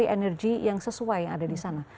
energi yang sesuai yang ada di sana